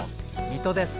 水戸です。